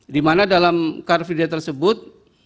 di mana dalam karvideh tersebut